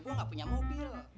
gua gak punya mobil